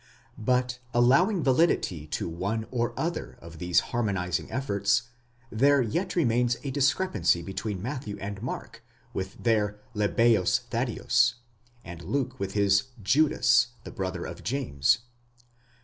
* But allowing validity to one or other of these harmonizing efforts, there yet remains a discrepancy between Matthew and Mark with their Lebbeus Thaddeus, and Luke with his Judas, the brother of James.